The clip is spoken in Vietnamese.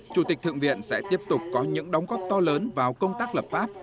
chủ tịch thượng viện sẽ tiếp tục có những đóng góp to lớn vào công tác lập pháp